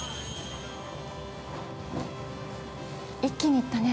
一気に行ったね。